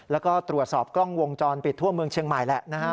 แล้วก็ตรวจสอบกล้องวงจรปิดทั่วเมืองเชียงใหม่แหละนะฮะ